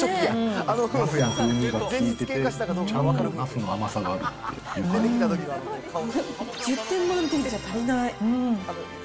ナスの風味が効いてて、ちゃんとナスの甘さがあるっていう感１０点満点じゃ足りない！